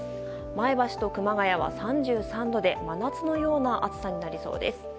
前橋と熊谷は３３度で真夏のような暑さになりそうです。